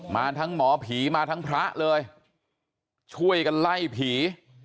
มาทั้งหมอผีมาทั้งพระเลยช่วยกันไล่ผี